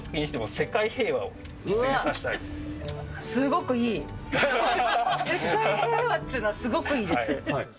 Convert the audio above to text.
世界平和っていうのは、すごくいいです。